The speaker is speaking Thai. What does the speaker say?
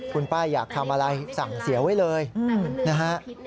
คุณป้าอยากทำอะไรสั่งเสียไว้เลยนะฮะ